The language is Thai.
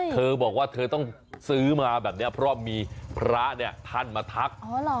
เธอบอกว่าเธอต้องซื้อมาแบบนี้เพราะมีพระเนี่ยท่านมาทัก